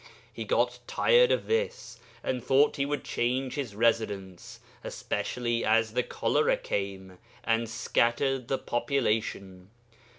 He got tired of this and thought he would change his residence, especially as the cholera came and scattered the population.